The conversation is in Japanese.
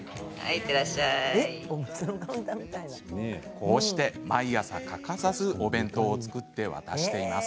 こうして毎朝欠かさずお弁当を作って渡しています。